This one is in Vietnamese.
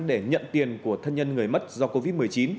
để nhận tiền của thân nhân người mất do covid một mươi chín